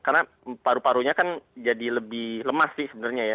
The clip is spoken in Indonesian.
karena paru parunya kan jadi lebih lemas sih